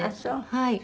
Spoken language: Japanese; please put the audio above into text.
はい。